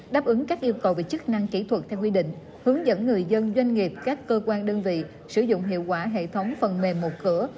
đáp ứng các yêu cầu về chức năng kỹ thuật theo quy định hướng dẫn người dân doanh nghiệp các cơ quan đơn vị sử dụng hiệu quả hệ thống phần mềm một cửa